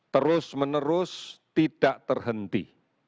terus menerus tidak terhenti